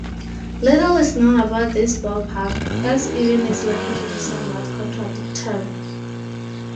Little is known about this ballpark, as even its location is somewhat contradictory.